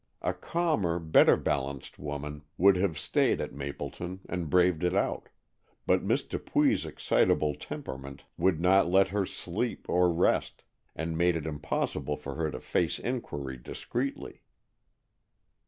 A calmer, better balanced woman would have stayed at Mapleton and braved it out, but Miss Dupuy's excitable temperament would not let her sleep or rest, and made it impossible for her to face inquiry discreetly.